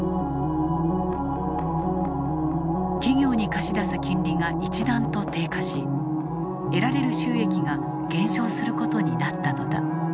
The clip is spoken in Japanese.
企業に貸し出す金利が一段と低下し得られる収益が減少することになったのだ。